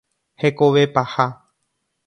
Hekove paha.